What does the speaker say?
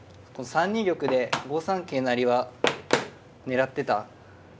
３二玉で５三桂成は狙ってた？